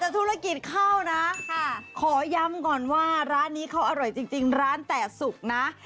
แต่ธุรกิจข้าวนะขอย้ำก่อนว่าร้านนี้เขาอร่อยจริงร้านแต่สุกนะ